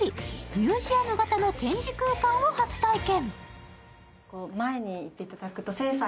ミュージアム型の展示空間を初体験。